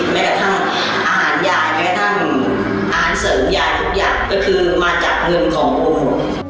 แม้กระทั่งอาหารใหญ่แม้ทั้งอาหารเสริมใหญ่ทุกอย่างก็คือมาจากเงินของหนู